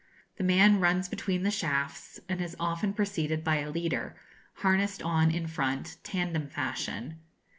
The man runs between the shafts, and is often preceded by a leader, harnessed on in front, tandem fashion.